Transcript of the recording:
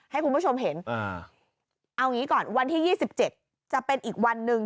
ให้คุณผู้ชมเห็นเอางี้ก่อนวันที่๒๗จะเป็นอีกวันหนึ่ง